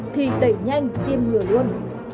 thì đẩy nhanh tiêm ngừa luôn